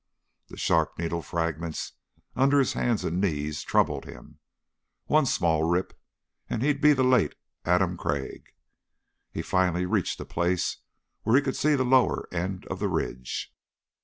The sharp needle fragments under his hands and knees troubled him. One small rip and he'd be the late Adam Crag. He finally reached a place where he could see the lower end of the ridge.